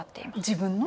自分の？